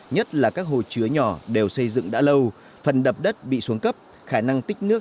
nhất là các hồ chứa nhỏ đều xây dựng đã lâu phần đập đất bị xuống cấp khả năng tích nước